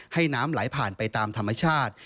น้ำไหลผ่านไปตามธรรมชาติ